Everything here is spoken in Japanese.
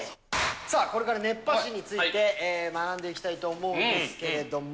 さあ、これから熱波師について学んでいきたいと思うんですけれども。